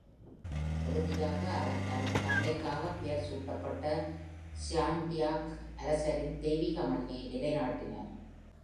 இறுதியாக, அவர் தனது தந்தைக்காக பெயர் சூட்டப்பட்ட ஸ்யாங்டியாக் அரசரின் தெய்வீக மணியை நிலைநாட்டினார்.